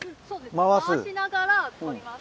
回しながら取ります。